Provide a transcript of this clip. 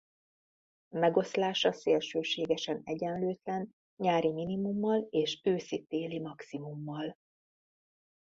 Megoszlása szélsőségesen egyenlőtlen nyári minimummal és őszi-téli maximummal.